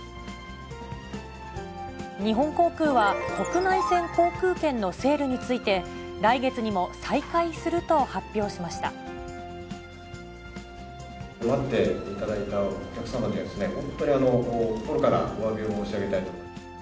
日本航空は、国内線航空券のセールについて、待っていただいたお客様にはですね、本当に心からおわびを申し上げたいと。